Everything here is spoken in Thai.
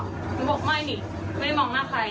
หนูบอกไม่นี่ไม่มองหน้าใคร